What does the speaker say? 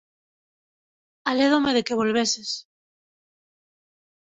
Alédome de que volveses.